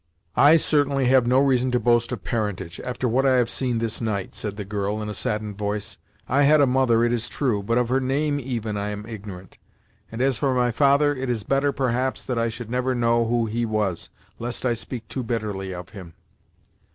"I, certainly, have no reason to boast of parentage, after what I have seen this night," said the girl, in a saddened voice. "I had a mother, it is true; but of her name even, I am ignorant and, as for my father, it is better, perhaps, that I should never know who he was, lest I speak too bitterly of him!"